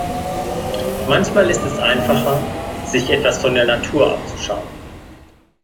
Manchmal ist es einfacher, sich etwas von der Natur abzuschauen.